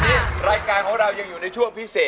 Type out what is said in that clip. วันนี้รายการของเรายังอยู่ในช่วงพิเศษ